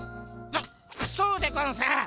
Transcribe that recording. そそうでゴンス。